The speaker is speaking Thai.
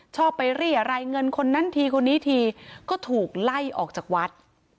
ชอบไปเรียรายเงินคนนั้นทีคนนี้ทีก็ถูกไล่ออกจากวัด